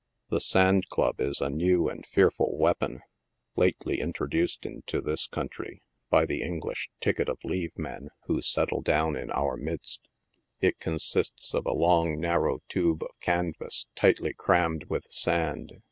The sand club is a new and fearful weapon, lately introduced into this THE STATION HOUSES. 43 country by the English " ticket of leave men" who settle down in our midst. It consists of a long, narrow tube of canvas, tightly crammed with sand.